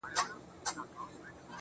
اوښکي ساتمه ستا راتلو ته تر هغې پوري.